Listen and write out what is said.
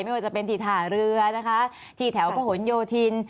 ไม่ว่าจะเป็นที่ท่าเรือนะคะที่แถวพระหลโยธิน